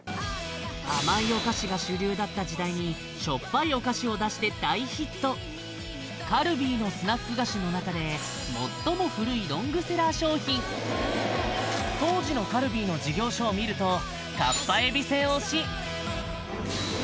甘いお菓子が主流だった時代にしょっぱいお菓子を出して大ヒットカルビーのスナック菓子の中で最も古いロングセラー商品を見るとかっぱえびせん推し